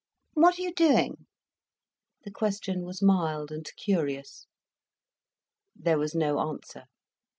"What are you doing?" The question was mild and curious. There was no answer.